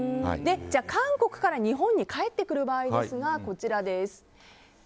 韓国から日本に返ってくる場合がこちらです。